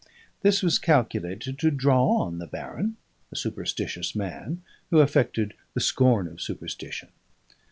This was calculated to draw on the baron a superstitious man, who affected the scorn of superstition.